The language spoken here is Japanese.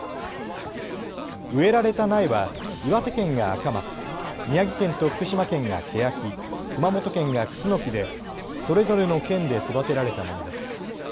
植えられた苗は岩手県がアカマツ、宮城県と福島県がケヤキ、熊本県がクスノキでそれぞれの県で育てられたものです。